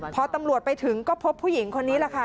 พอตำรวจไปถึงก็พบผู้หญิงคนนี้แหละค่ะ